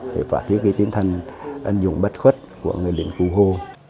để phát huyết cái tính thần anh dũng bất khuất của người liên cư hô